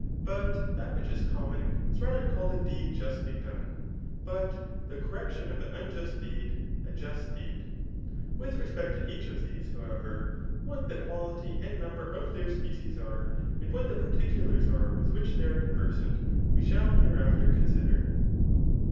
But that which is common is rather called a deed justly dane^ {i$xouoTpayri[iay ; but the correction of an nn|ust deed, a just deedj (oixoMOfiou) With respect to each of these^ however, what the quality and number of their species are, and what the particulars are with which they are conversant, we shall hereafter consider.